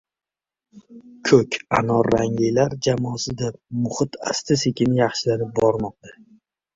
Ko‘k-anorranglilar jamoasida muhit asta-sekin yaxshilanib bormoqda.